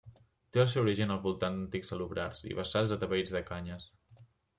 Té el seu origen al voltant d'antics salobrars i bassals atapeïts de canyes.